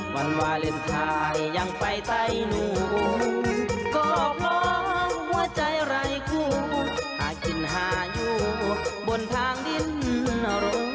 วันวาเลนไทยยังไปไตอยู่ก็พร้อมหัวใจไร้คู่หากินหาอยู่บนทางดินรู้